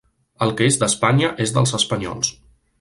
El que és d'Espanya és dels espanyols.